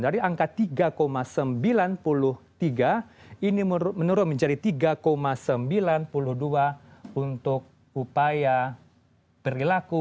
dari angka tiga sembilan puluh tiga ini menurun menjadi tiga sembilan puluh dua untuk upaya perilaku anti korupsi ini yang tertentu